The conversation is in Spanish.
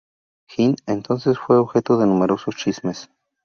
Hind entonces fue objeto de numerosos chismes.